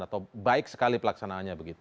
atau baik sekali pelaksanaannya